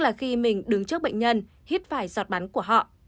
là khi mình đứng trước bệnh nhân hít phải giọt bắn của họ